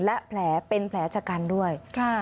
และแผลเป็นแผลชะกันด้วย